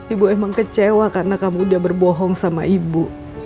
ibu emang kecewa karena kamu udah berbohong sama ibu